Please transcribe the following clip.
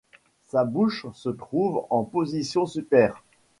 Sa bouche se trouve en position supère.